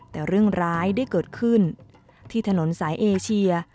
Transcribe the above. แต่เรื่องร้ายได้เกิดขึ้นที่ถนนสายเอเชีย